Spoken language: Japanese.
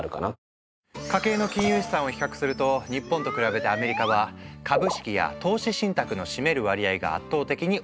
家計の金融資産を比較すると日本と比べてアメリカは株式や投資信託の占める割合が圧倒的に多い。